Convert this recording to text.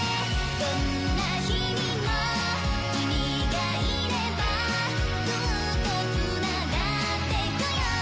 どんな日々も君がいればずっと繋がってゆくよ